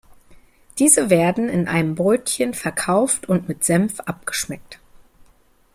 Diese werden in einem Brötchen verkauft und mit Senf abgeschmeckt.